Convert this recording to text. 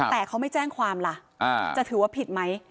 แต่เขาไม่แจ้งความล่ะจะถือว่าผิดไหม